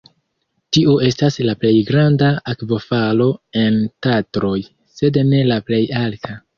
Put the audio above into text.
Tio estas la plej granda akvofalo en Tatroj sed ne la plej alta.